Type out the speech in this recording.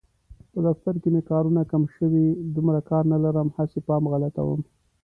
په دفتر کې مې کارونه کم شوي، دومره کار نه لرم هسې پام غلطوم.